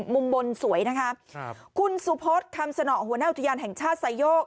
มุมบนสวยนะคะครับคุณสุพศคำสนอหัวหน้าอุทยานแห่งชาติไซโยก